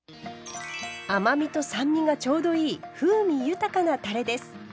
甘みと酸味がちょうどいい風味豊かなたれです。